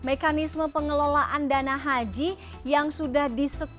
mekanisme pengelolaan dana haji yang sudah ditetapkan